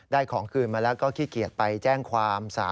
ของคืนมาแล้วก็ขี้เกียจไปแจ้งความ